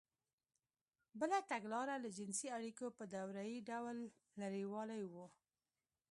بله تګلاره له جنسـي اړیکو په دورهیي ډول لرېوالی و.